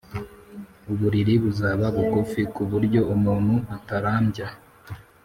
Uburiri buzaba bugufi, ku buryo umuntu atarambya,